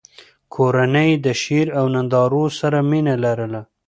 کورنۍ یې د شعر او نندارو سره مینه لرله.